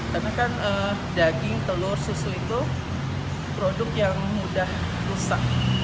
karena kan daging telur susu itu produk yang mudah rusak